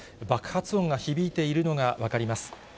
爆発音が響いているのが分かります。